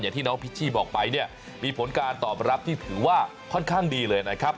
ที่น้องพิชชี่บอกไปเนี่ยมีผลการตอบรับที่ถือว่าค่อนข้างดีเลยนะครับ